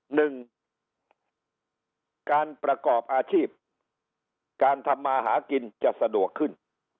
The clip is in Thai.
หนึ่งการประกอบอาชีพการทำมาหากินจะสะดวกขึ้น